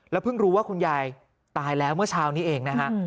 เพิ่งรู้ว่าคุณยายตายแล้วเมื่อเช้านี้เองนะฮะ